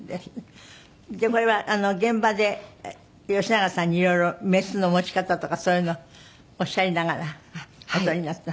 でこれは現場で吉永さんにいろいろメスの持ち方とかそういうのをおっしゃりながらお撮りになった？